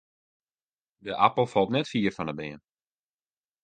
De apel falt net fier fan 'e beam.